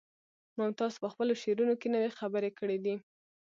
ممتاز په خپلو شعرونو کې نوې خبرې کړي دي